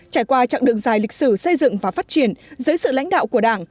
trải qua chặng đường dài lịch sử xây dựng và phát triển dưới sự lãnh đạo của đảng